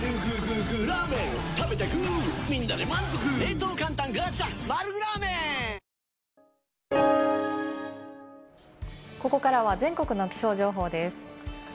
外傷はなく、ここからは全国の気象情報です。